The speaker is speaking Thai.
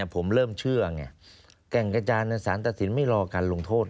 ผมเริ่มเชื่อไงแก่งกระจานสารตัดสินไม่รอการลงโทษ